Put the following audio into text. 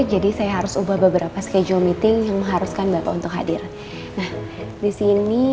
jadi saya harus ubah beberapa schedule meeting yang mengharuskan bapak untuk hadir nah disini